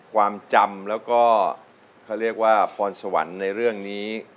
ความจำแล้วก็เขาเรียกว่าพรสวรรค์ในเรื่องนี้